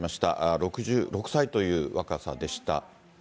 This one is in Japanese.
６６歳という若さでした。